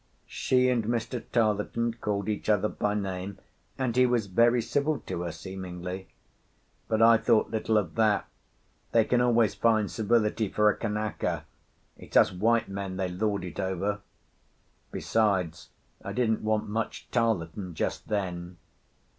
She and Mr. Tarleton called each other by name, and he was very civil to her seemingly. But I thought little of that; they can always find civility for a Kanaka, it's us white men they lord it over. Besides, I didn't want much Tarleton just then.